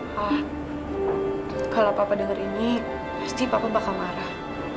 pak kalau papa denger ini pasti papa bakal marah